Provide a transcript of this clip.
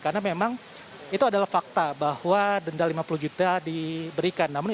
karena memang itu adalah fakta bahwa denda lima puluh juta diberikan